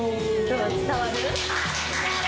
伝わる？